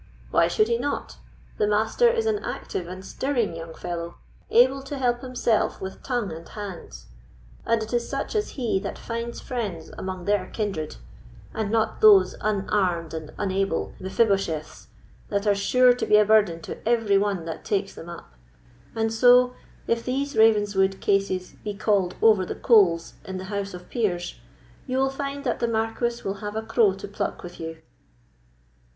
Why should he not? The Master is an active and stirring young fellow, able to help himself with tongue and hands; and it is such as he that finds friends among their kindred, and not those unarmed and unable Mephibosheths that are sure to be a burden to every one that takes them up. And so, if these Ravenswood cases be called over the coals in the House of Peers, you will find that the Marquis will have a crow to pluck with you."